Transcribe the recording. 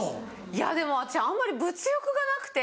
いやでも私あんまり物欲がなくて。